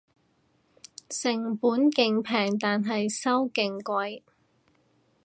成本勁平但係收勁貴